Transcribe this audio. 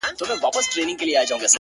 ما به د سترگو کټوري کي نه ساتلې اوبه-